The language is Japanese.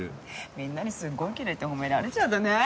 みんなにすごいきれいって褒められちゃったねぇ？